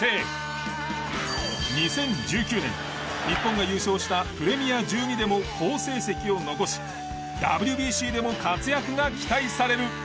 ２０１９年日本が優勝したプレミア１２でも好成績を残しＷＢＣでも活躍が期待される。